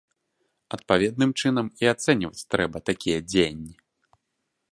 Адпаведным чынам і ацэньваць трэба такія дзеянні.